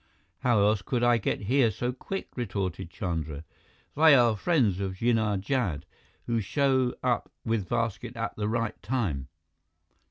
"How else could I get here so quick?" retorted Chandra. "They are friends of Jinnah Jad, who show up with basket at the right time.